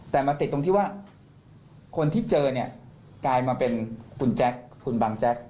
แต่มาติดตรงที่ว่าคนที่เจอเนี่ยกลายมาเป็นคุณแจ๊คคุณบังแจ๊ก